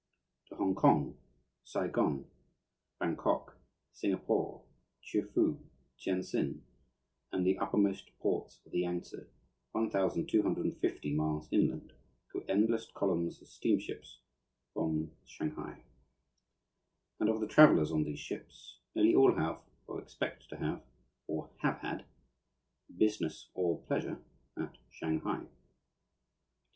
To Hongkong, Saigon, Bangkok, Singapore, Chefoo, Tientsin, and the uppermost ports of the Yangtse, 1,250 miles inland, go endless columns of steamships from Shanghai. And of the travellers on these ships nearly all have, or expect to have, or have had, business or pleasure at Shanghai.